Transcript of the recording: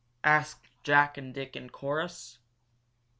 asked Jack and Dick in chorus.